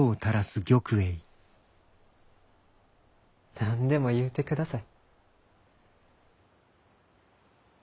何でも言うて下さい。